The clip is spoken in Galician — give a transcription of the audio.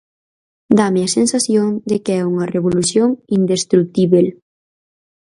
Dáme a sensación de que é unha revolución indestrutíbel.